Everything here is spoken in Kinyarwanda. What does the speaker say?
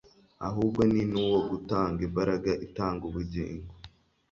ahubwo ni n'uwo gutanga imbaraga itanga ubugingo,